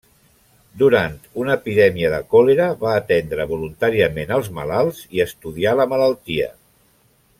Durant una epidèmia de còlera va atendre voluntàriament els malalts i estudià la malaltia.